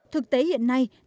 thực tế hiện nay tình trạng